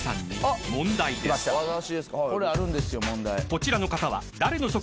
［こちらの方は］